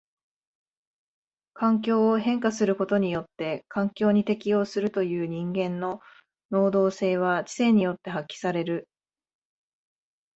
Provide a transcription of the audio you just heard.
環境を変化することによって環境に適応するという人間の能動性は知性によって発揮される。